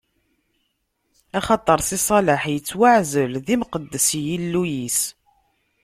Axaṭer Si Salaḥ ittwaɛzel d imqeddes i Yillu-is.